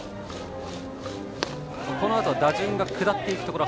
このあと打順が下っていくところ。